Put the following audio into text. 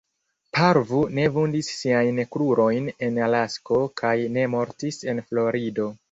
Parvu ne vundis siajn krurojn en Alasko kaj ne mortis en Florido.